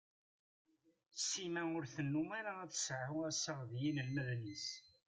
Sima ur tennum ara tseɛu assaɣ d yinelmaden-is.